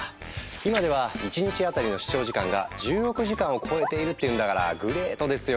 今では一日当たりの視聴時間が１０億時間を超えているっていうんだからグレートですよ